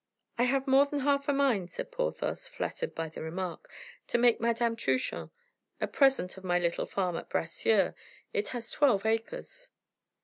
"I have more than half a mind," said Porthos, flattered by the remark, "to make Madame Truchen a present of my little farm at Bracieux; it has twelve acres."